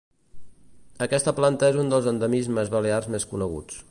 Aquesta planta és un dels endemismes balears més coneguts.